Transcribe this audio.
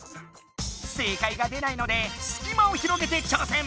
正解が出ないのですき間を広げて挑戦。